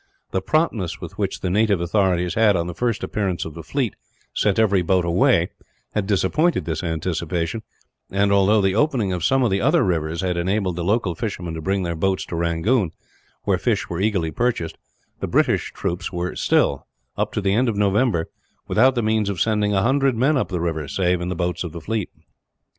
The promptness with which the native authorities had, on the first appearance of the fleet, sent every boat away, had disappointed this anticipation and, although the opening of some of the other rivers had enabled the local fishermen to bring their boats to Rangoon, where fish were eagerly purchased, the British troops were still, up to the end of November, without the means of sending a hundred men up the river, save in the boats of the fleet.